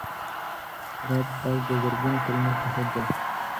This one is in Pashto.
د هرات ارګ د زرګونو کلونو شاهد دی.